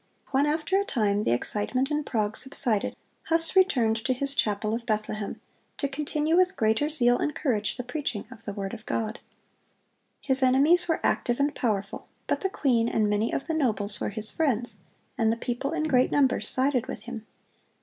(130) When after a time the excitement in Prague subsided, Huss returned to his chapel of Bethlehem, to continue with greater zeal and courage the preaching of the word of God. His enemies were active and powerful, but the queen and many of the nobles were his friends, and the people in great numbers sided with him.